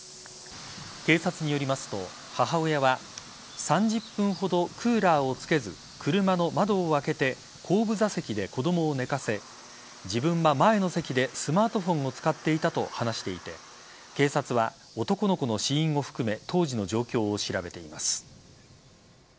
警察によりますと母親は３０分ほど、クーラーをつけず車の窓を開けて後部座席で子供を寝かせ自分は前の席でスマートフォンを使っていたと話していて警察は男の子の死因を含め当時の状況を調べています。